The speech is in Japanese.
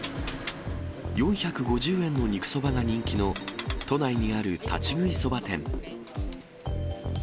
４５０円の肉そばが人気の都内にある立ち食いそば店。